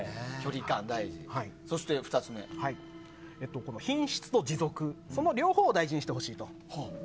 そして２つ目は品質と持続その両方を大事にしてほしいと。